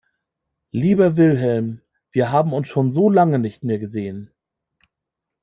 Lieber Wilhelm, wir haben uns schon so lange nicht mehr gesehen.